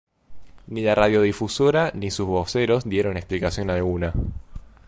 Ni la radiodifusora, ni sus voceros dieron explicación alguna.